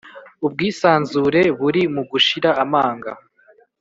ubwisanzure buri mu gushira amanga.